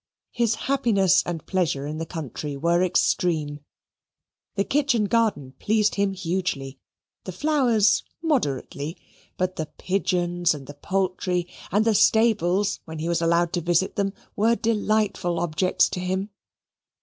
His happiness and pleasure in the country were extreme. The kitchen garden pleased him hugely, the flowers moderately, but the pigeons and the poultry, and the stables when he was allowed to visit them, were delightful objects to him.